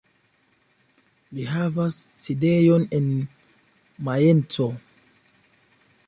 Ĝi havas sidejon en Majenco.